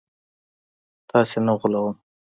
تاسي نه غولوم